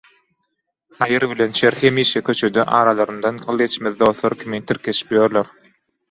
Haýyr bilen şer hemişe köçede aralaryndan gyl geçmez dostlar kimin tirkeşip ýörler.